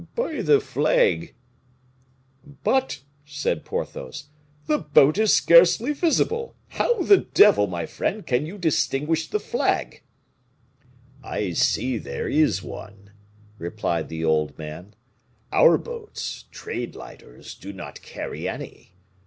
"By the flag." "But," said Porthos, "the boat is scarcely visible; how the devil, my friend, can you distinguish the flag?" "I see there is one," replied the old man; "our boats, trade lighters, do not carry any.